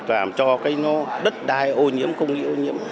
làm cho cái đất đai ô nhiễm không bị ô nhiễm